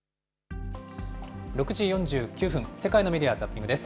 ６時４９分、世界のメディア・ザッピングです。